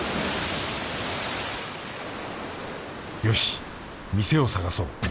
よし店を探そう